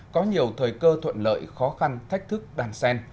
có nhiều thời cơ thuận lợi khó khăn thách thức đàn sen